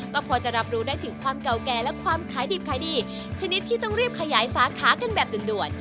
ก็พอจะรับรู้ได้ถึงความเก่าแก่และความขายดิบขายดีชนิดที่ต้องรีบขยายสาขากันแบบด่วน